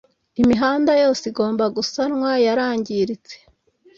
imihanda yose igomba gusanwa yarangiritse